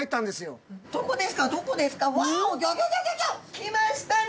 来ましたね！